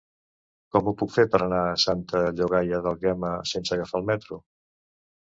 Com ho puc fer per anar a Santa Llogaia d'Àlguema sense agafar el metro?